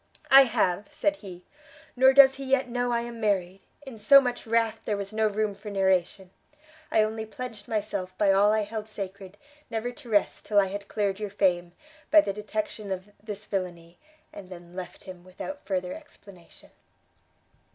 "I have!" said he; "nor does he yet know I am married: in so much wrath there was no room for narration; I only pledged myself by all I held sacred, never to rest till I had cleared your fame, by the detection of this villainy, and then left him without further explanation."